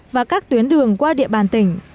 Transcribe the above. và các tuyến đường qua địa bàn tỉnh